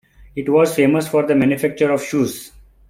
It was famous for the manufacture of shoes.